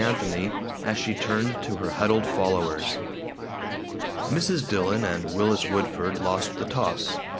Anthony as she turned to her huddled followers. Mrs. Dillon and Willis Woodford lost the toss.